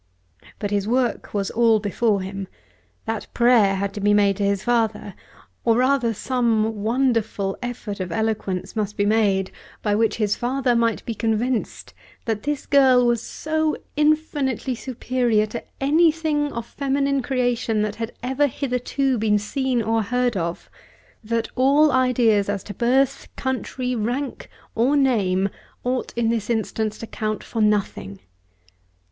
But his work was all before him! That prayer had to be made to his father; or rather some wonderful effort of eloquence must be made by which his father might be convinced that this girl was so infinitely superior to anything of feminine creation that had ever hitherto been seen or heard of, that all ideas as to birth, country, rank, or name ought in this instance to count for nothing.